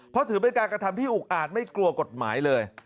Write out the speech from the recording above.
เพราะถือเป็นการกระทำที่อุกอาจไม่กลัวกฎหมายเลย